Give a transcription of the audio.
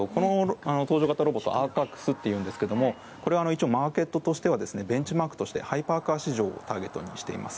このロボットはアーカックスといいますがマーケットではベンチマークとしてハイパーカー市場をターゲットにしています。